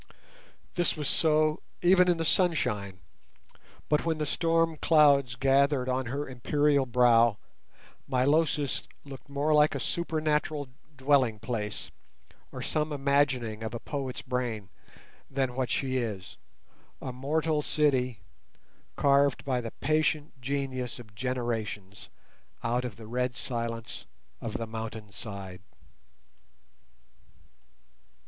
This was so even in the sunshine, but when the storm clouds gathered on her imperial brow Milosis looked more like a supernatural dwelling place, or some imagining of a poet's brain, than what she is—a mortal city, carven by the patient genius of generations out of the red silence of the mountain side.